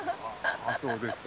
あそうですか。